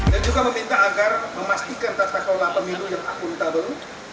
dan juga meminta agar memastikan tata kelola pemilu yang akuntabel